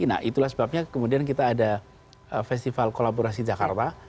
nah itulah sebabnya kemudian kita ada festival kolaborasi jakarta